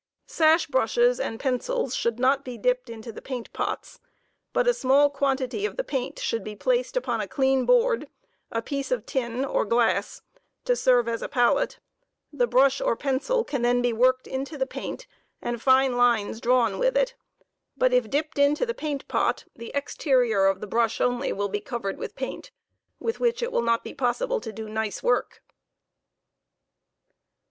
Sash brushes and pencils should not be dipped into the paint pots, but a small quantify of the paint should be placed upon a clean board, a piece of tin, or glass, to serve as a palette— the brush or pencil can then be worked into the paint, and fine lines drawn with it; but if dipped into the paint pot, the exterior of the brush only will be covered with paint, with which it will not be possible to do nice work.